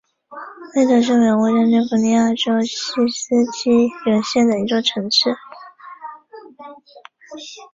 威德是美国加利福尼亚州锡斯基尤县的一座城市。